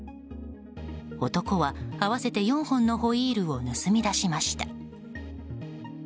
男は合わせて４本のホイールを盗み出しました。